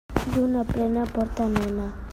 Lluna plena porta nena.